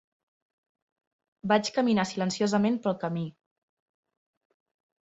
Vaig caminar silenciosament pel camí.